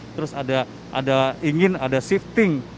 terus ada ingin ada shifting